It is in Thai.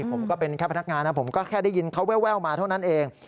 ผมก็เป็นแค่พนักงานนะผมก็แค่ได้ยินเขาแววมาเท่านั้นเอง